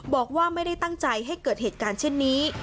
บอกว่าไม่ได้ตั้งใจให้เกิดเหตุการณ์เช่นนี้